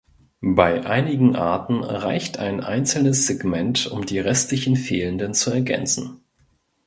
Bei einigen Arten reicht ein einzelnes Segment, um die restlichen fehlenden zu ergänzen.